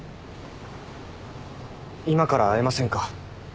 今から会えませんか？